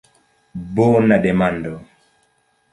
Bona demando.